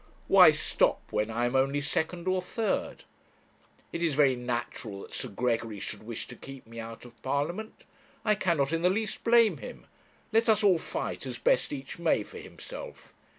why stop when I am only second or third? It is very natural that Sir Gregory should wish to keep me out of Parliament; I cannot in the least blame him; let us all fight as best each may for himself.